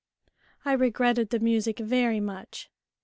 I regretted the music very much.